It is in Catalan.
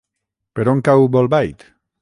Per on cau Bolbait?